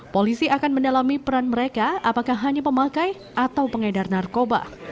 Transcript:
polisi akan mendalami peran mereka apakah hanya pemakai atau pengedar narkoba